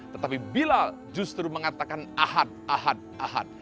tetapi bila justru mengatakan ahad ahad ahad